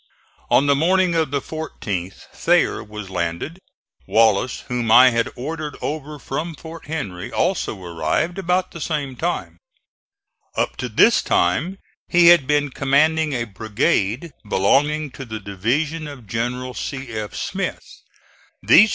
On the morning of the 14th Thayer was landed. Wallace, whom I had ordered over from Fort Henry, also arrived about the same time. Up to this time he had been commanding a brigade belonging to the division of General C. F.